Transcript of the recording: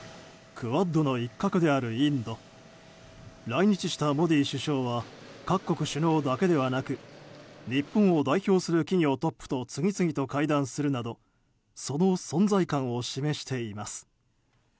来日したモディ首相は各国首脳だけではなく日本を代表する企業トップと次々と会談するなどその存在感を示しています。